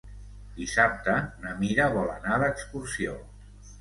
Dissabte na Mira vol anar d'excursió.